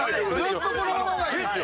ずっとこのままがいいですよ。